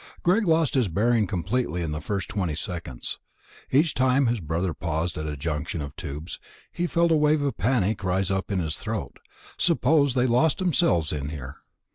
Greg lost his bearing completely in the first twenty seconds; each time his brother paused at a junction of tubes, he felt a wave of panic rise up in his throat ... suppose they lost themselves in here!